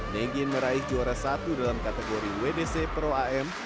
negin meraih juara satu dalam kategori wdc pro am